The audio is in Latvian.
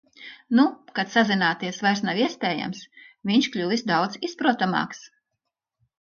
Nu, kad sazināties vairs nav iespējams, viņš kļuvis daudz izprotamāks.